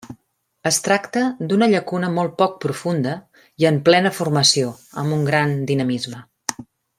Es tracta d’una llacuna molt poc profunda i en plena formació, amb un gran dinamisme.